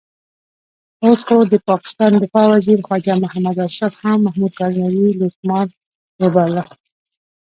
اوس خو د پاکستان دفاع وزیر خواجه محمد آصف هم محمود غزنوي لوټمار وباله.